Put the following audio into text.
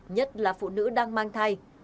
nhất là phụ nữ đang mang thai